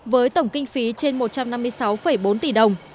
với tổng kinh phí trên một trăm năm mươi sáu bốn tỷ đồng